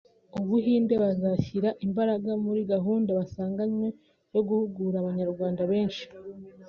u Buhinde bazashyira imbaraga muri gahunda basanganywe yo guhugura Abanyarwanda benshi